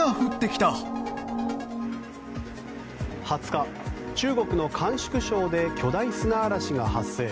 ２０日、中国の甘粛省で巨大砂嵐が発生。